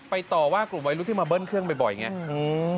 ต่อว่ากลุ่มวัยรุ่นที่มาเบิ้ลเครื่องบ่อยไง